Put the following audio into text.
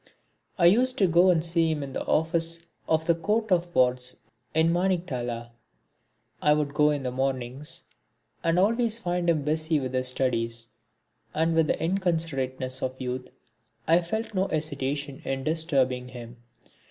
I used to go and see him in the office of the Court of Wards in Maniktala. I would go in the mornings and always find him busy with his studies, and with the inconsiderateness of youth, I felt no hesitation in disturbing him.